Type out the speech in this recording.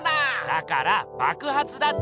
だからばくはつだってば。